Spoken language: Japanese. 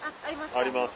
あります。